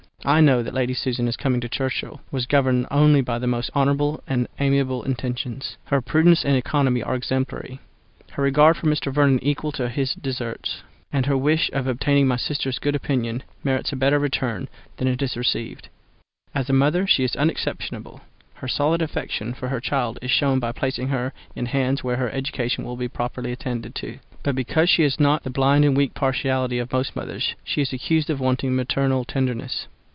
I know that Lady Susan in coming to Churchhill was governed only by the most honourable and amiable intentions; her prudence and economy are exemplary, her regard for Mr. Vernon equal even to his deserts; and her wish of obtaining my sister's good opinion merits a better return than it has received. As a mother she is unexceptionable; her solid affection for her child is shown by placing her in hands where her education will be properly attended to; but because she has not the blind and weak partiality of most mothers, she is accused of wanting maternal tenderness.